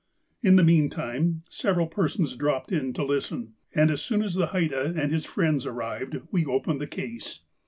In the meantime, several persons dropped in to listen ; and as soon as the Haida and his friends arrived, we opened the case.